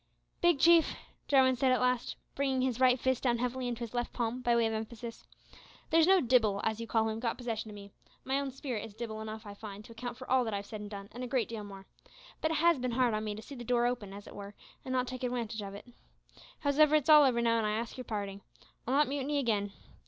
"Big Chief," said Jarwin at last, bringing his right fist down heavily into his left palm, by way of emphasis, "there's no dibbil, as you call him, got possession o' me. My own spirit is dibbil enough, I find, to account for all that I've said and done an' a great deal more. But it has bin hard on me to see the door open, as it were, an' not take adwantage of it. Howsever, it's all over now, an' I ax yer parding. I'll not mutiny again.